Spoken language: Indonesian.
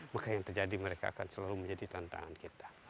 maka yang terjadi mereka akan selalu menjadi tantangan kita